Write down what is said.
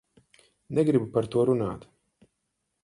Negribu par to runāt.